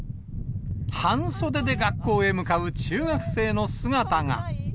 半袖で学校へ向かう中学生の姿が。